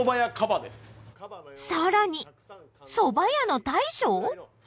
さらにそば屋の大将！？